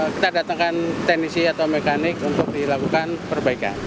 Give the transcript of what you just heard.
kita datangkan teknisi atau mekanik untuk dilakukan perbaikan